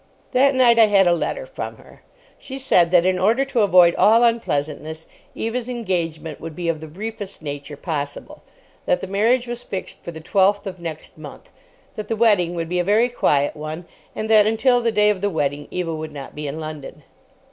That night I had a letter from her. She said that in order to avoid all unpleasantness, Eva's engagement would be of the briefest nature possible. That the marriage was fixed for the twelfth of next month; that the wedding would be a very quiet one; and that until the day of the wedding Eva would not be in London.